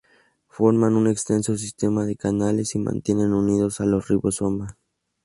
Forman un extenso sistema de canales y mantienen unidos a los ribosomas.